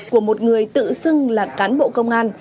của một người tự xưng là cán bộ công an